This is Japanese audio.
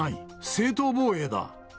正当防衛だ。